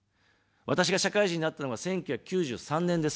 私が社会人になったのが１９９３年です。